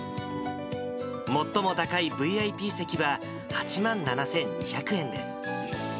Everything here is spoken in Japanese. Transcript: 最も高いＶＩＰ席は８万７２００円です。